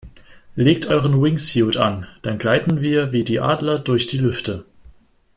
Legt euren Wingsuit an, dann gleiten wir wie die Adler durch die Lüfte!